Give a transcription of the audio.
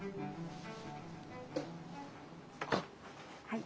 はい。